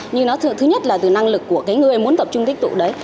nhưng nó thứ nhất là từ năng lực của cái người muốn tập trung tích tụ đấy